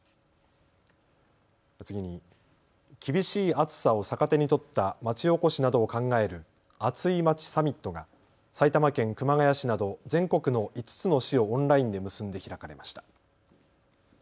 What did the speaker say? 次に、厳しい暑さを逆手に取ったまちおこしなどを考えるアツいまちサミットが埼玉県熊谷市など全国の５つの市をオンラインで結んで開かれました。